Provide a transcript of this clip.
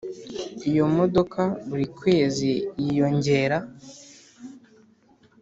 Iyo modoka buri kwezi yiyongera